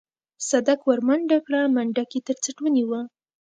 صدک ورمنډه کړه منډک يې تر څټ ونيوه.